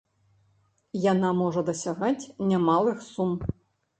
Яна можа дасягаць немалых сум.